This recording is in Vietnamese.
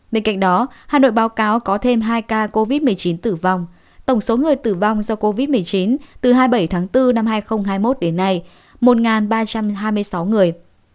bên cạnh đó hà nội báo cáo có thêm hai ca covid một mươi chín tử vong tổng số người tử vong do covid một mươi chín từ hai mươi bảy tháng bốn năm hai nghìn hai mươi một đến nay một ba trăm hai mươi sáu người